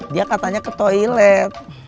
dia katanya ke toilet